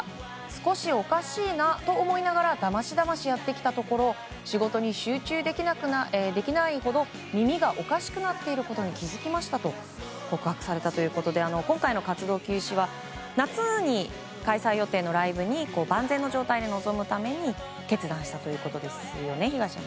少しおかしいなと思いながらだましだましやってきたところ仕事に集中できないほど耳がおかしくなっていることに気づきましたと告白されたということで今回の活動休止は夏に開催予定のライブに万全の状態で臨むために決断したということです。